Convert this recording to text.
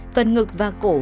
phần ngực và cổ